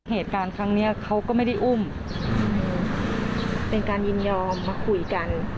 เหตุการณ์ครั้งนี้เขาก็ไม่ได้อุ้มเป็นการยินยอมมาคุยกัน